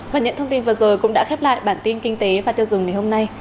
cảm ơn các bạn đã theo dõi và ủng hộ cho bản tin kinh tế và tiêu dùng ngày hôm nay